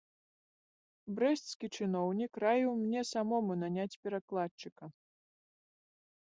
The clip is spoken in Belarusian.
Брэсцкі чыноўнік раіў мне самому наняць перакладчыка.